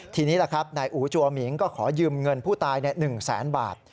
ทีนี้ล่ะครับนายอู๋จัวหมิงก็ขอยืมเงินผู้ตาย๑แสนบาท